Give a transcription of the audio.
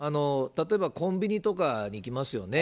例えばコンビニとかに行きますよね。